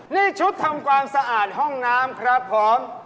นี่ชุดทำความสะอาดห้องน้ำครับผม